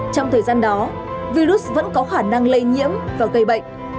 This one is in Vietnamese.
trong thời gian đó virus vẫn có khả năng lây nhiễm và gây bệnh